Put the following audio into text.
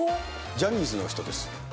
ジャニーズの人です。